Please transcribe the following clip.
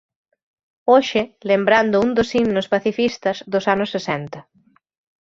Hoxe lembrando un dos himnos pacifistas dos anos sesenta.